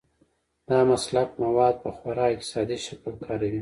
دا مسلک مواد په خورا اقتصادي شکل کاروي.